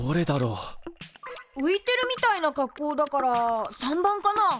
ういてるみたいな格好だから③番かな？